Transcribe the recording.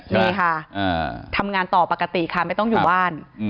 นี่ค่ะทำงานต่อปกติค่ะไม่ต้องอยู่บ้าน